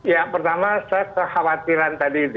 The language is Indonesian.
ya pertama saya kekhawatiran tadi